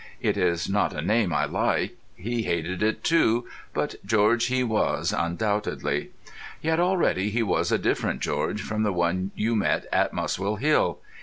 It is not a name I like; he hated it too; but George he was undoubtedly. Yet already he was a different George from the one you met at Muswell Hill.